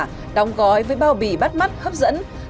cà phê nước hòa đóng gói với bao bì bắt mắt hấp dẫn